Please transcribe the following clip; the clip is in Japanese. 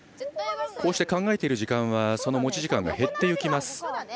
こうして考えている時間がその持ち時間が減っていきます。